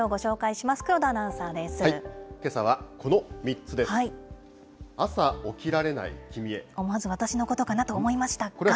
思わず私のことかと思いましたが。